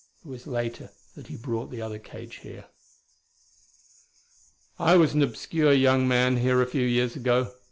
It was later that he brought the other cage here. "I was an obscure young man here a few years ago.